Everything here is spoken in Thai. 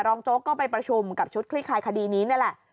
โจ๊กก็ไปประชุมกับชุดคลี่คลายคดีนี้นี่แหละ